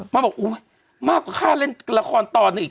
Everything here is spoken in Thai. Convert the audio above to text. มันบอกอุ๊ยมากค่าเล่นละครตอนนึง